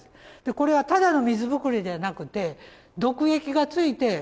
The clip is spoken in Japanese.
これはただの水ぶくれではなくて毒液がついて今度はね